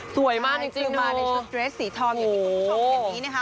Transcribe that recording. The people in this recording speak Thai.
สวยมากจริงมาในชุดเดรสสีทองอย่างที่คุณผู้ชมเห็นนี้นะคะ